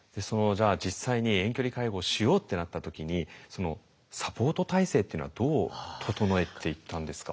じゃあ実際に遠距離介護をしようってなった時にサポート体制っていうのはどう整えていったんですか？